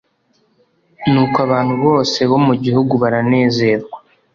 nuko abantu bose bo mu gihugu baranezerwa